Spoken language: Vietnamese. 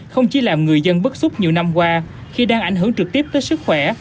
không chỉ làm người dân bức xúc nhiều năm qua khi đang ảnh hưởng trực tiếp tới sức khỏe